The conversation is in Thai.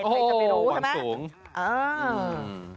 พี่จะไปรู้ใช่ไหมวันสูง